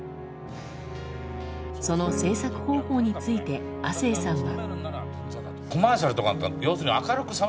その制作方法について亜星さんは。